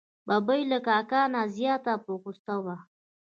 ببۍ له کاکا نه زیاته په غوسه وه.